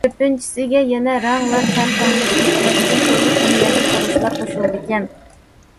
كۆپىنچىسىگە يەنە رەڭ ۋە تەم تەڭشەش ئېھتىياجىدىن تۈرلۈك خىمىيەلىك خۇرۇچلار قوشۇلىدىكەن.